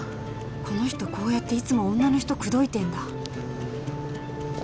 この人こうやっていつも女の人くどいてんだ